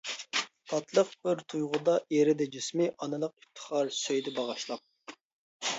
تاتلىق بىر تۇيغۇدا ئېرىدى جىسمى، ئانىلىق ئىپتىخار سۆيدى باغاشلاپ.